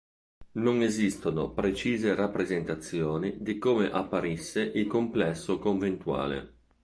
Non esistono precise rappresentazioni di come apparisse il complesso conventuale.